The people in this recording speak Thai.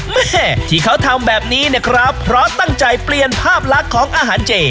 แม่ที่เขาทำแบบนี้เนี่ยครับเพราะตั้งใจเปลี่ยนภาพลักษณ์ของอาหารเจ